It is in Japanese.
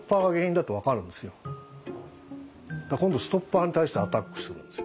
だから今度ストッパーに対してアタックするんですよ。